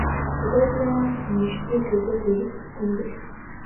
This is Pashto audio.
خدای ته نژدې کېدل د روح سکون دی.